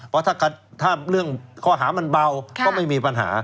เพราะถ้าเรื่องข้อหามันเบาก็ไม่มีปัญหา